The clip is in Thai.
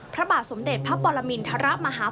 พระบาทสมเด็จพระปรมินทรมาฮา